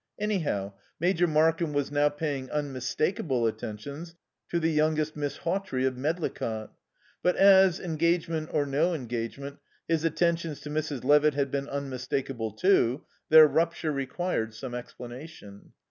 Anyhow, Major Markham was now paying unmistakable attentions to the youngest Miss Hawtrey of Medlicott. But as, engagement or no engagement, his attentions to Mrs. Levitt had been unmistakable too, their rupture required some explanation.